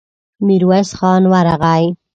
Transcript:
ميرويس خان ورغی.